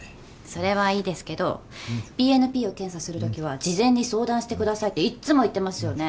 それはいいですけどＢＮＰを検査するときは事前に相談してくださいっていっつも言ってますよね？